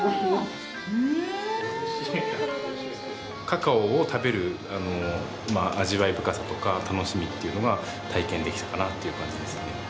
カカオを食べる味わい深さとか楽しみというのが体験できたかなという感じですね。